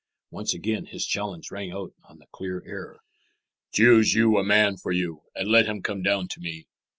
Once again his challenge rang out on the clear air, "Choose you a man for you, and let him come down to me.